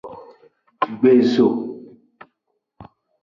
Gbezo.